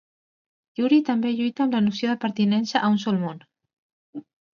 Yuri també lluita amb la noció de pertinença a un sol món.